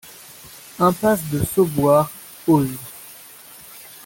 Impasse de Sauboires, Eauze